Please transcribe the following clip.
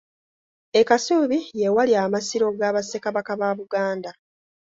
E Kasubi ye wali amasiro ga Bassekabaka ba Buganda.